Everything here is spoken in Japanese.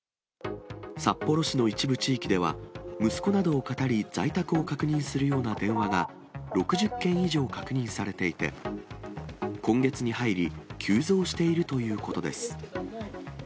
札幌市の一部地域では、息子などをかたり在宅を確認するような電話が、６０件以上確認されていて、今月に入り急増しているということです。